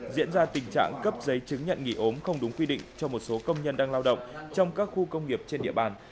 diễn ra tình trạng cấp giấy chứng nhận nghỉ ốm không đúng quy định cho một số công nhân đang lao động trong các khu công nghiệp trên địa bàn